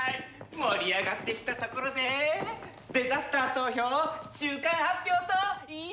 盛り上がってきたところでデザスター投票中間発表といこうじゃない！